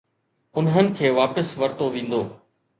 انهن کي واپس ورتو ويندو.